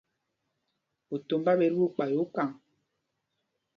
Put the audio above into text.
Otombá ɓɛ tí ɓu kpay okaŋ.